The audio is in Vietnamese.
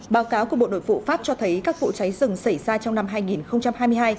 báo cáo của bộ nội vụ pháp cho thấy các vụ cháy rừng xảy ra trong năm hai nghìn hai mươi hai